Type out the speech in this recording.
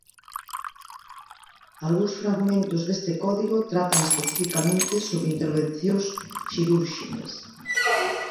Algúns fragmentos deste código tratan especificamente sobre intervencións cirúrxicas.